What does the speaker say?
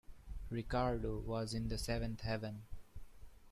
Ricardo was in the seventh Heaven.